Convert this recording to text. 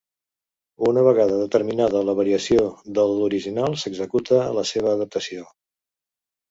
Una vegada determinada la variació de l'original s'executa la seva adaptació.